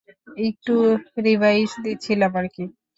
একটু রিভাইস দিচ্ছিলাম আরকি।